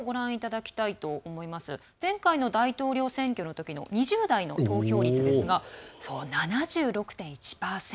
前回の大統領選挙のときの２０代の投票率ですが７６．１％。